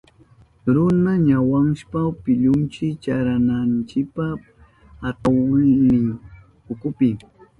Runa wañushpan pillunchi churananchipa atahulnin ukupi.